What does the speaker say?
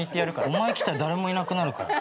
お前来たら誰もいなくなるから。